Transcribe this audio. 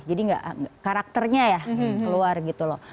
jadi karakternya ya keluar gitu loh